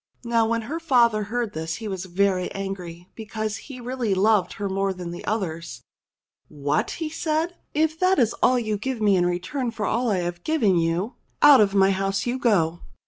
87 Q CAPORUSHES 299 Now when her father heard this he was very angry, be cause he really loved her more than the others. "What !" he said. "If that is all you give me in return for all I've given you, out of my house you go."